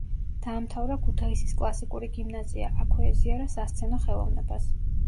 დაამთავრა ქუთაისის კლასიკური გიმნაზია, აქვე ეზიარა სასცენო ხელოვნებას.